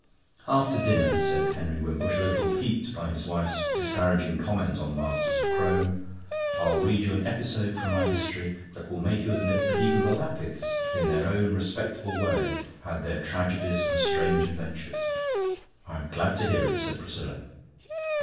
"After dinner," said Henry Wimbush, a little piqued by his wife's disparaging comment on the masters of Crome, "I'll read you an episode from my History that will make you admit that even the Lapiths, in their own respectable way, had their tragedies and strange adventures." "I'm glad to hear it," said Priscilla.